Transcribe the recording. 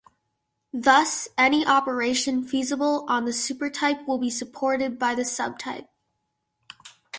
Thus, any operation feasible on the supertype will be supported by the subtype.